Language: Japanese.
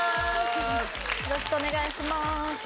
よろしくお願いします。